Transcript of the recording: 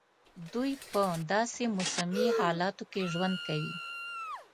دوی په داسي موسمي حالاتو کې ژوند کوي.